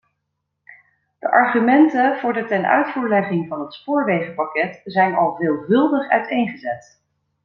De argumenten voor de tenuitvoerlegging van het spoorwegenpakket zijn al veelvuldig uiteengezet.